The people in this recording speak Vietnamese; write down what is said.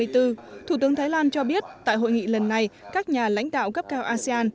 thủ tướng thái lan cho biết tại hội nghị lần này các nhà lãnh đạo cấp cao asean